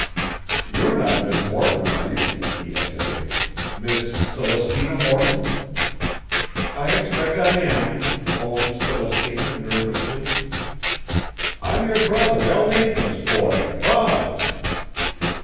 "You're not Miss Morton, are you?" he essayed, "Miss Celestina Morton?" "I expect I am," owned Celestina nervously. "I'm your brother Elnathan's boy, Bob."